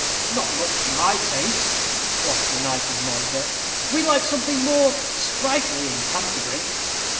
"Not much to my taste," quoth the knight of Malta. "We like something more sprightly in Canterbury."